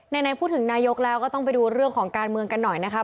ไหนพูดถึงนายกแล้วก็ต้องไปดูเรื่องของการเมืองกันหน่อยนะคะ